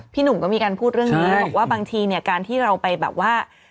หนุ่มก็มีการพูดเรื่องนี้บอกว่าบางทีเนี่ยการที่เราไปแบบว่า